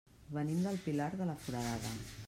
Venim del Pilar de la Foradada.